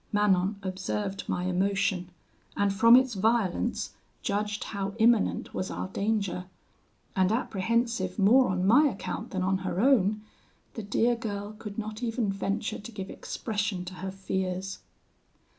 Manon observed my emotion, and from its violence, judged how imminent was our danger; and, apprehensive more on my account than on her own, the dear girl could not even venture to give expression to her fears.